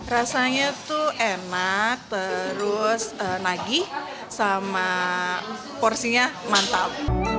rasanya tuh enak terus nagih sama porsinya mantap